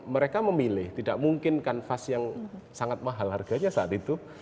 mereka memilih tidak mungkin kanvas yang sangat mahal harganya saat itu